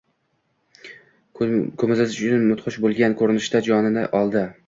ko‘zimiz uchun mudhish bo‘lgan ko‘rinishda jonini oldi